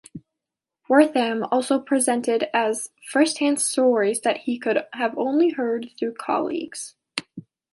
Wertham also presented as firsthand stories that he could have only heard through colleagues.